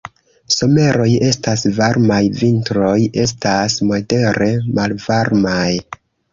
Someroj estas varmaj, vintroj estas modere malvarmaj.